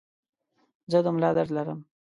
زه د ملا درد لرم.